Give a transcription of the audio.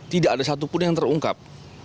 tidak ada satupun yang terungkap